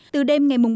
từ đêm ngày ba bảy bốn